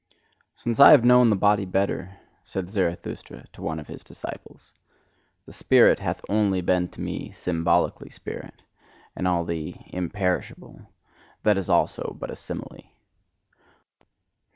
"Since I have known the body better" said Zarathustra to one of his disciples "the spirit hath only been to me symbolically spirit; and all the 'imperishable' that is also but a simile."